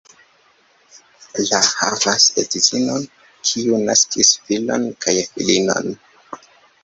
La havas edzinon, kiu naskis filon kaj filinon.